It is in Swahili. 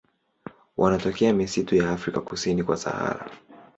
Wanatokea misitu ya Afrika kusini kwa Sahara.